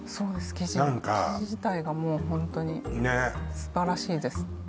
生地が生地自体がもうホントにねっ素晴らしいです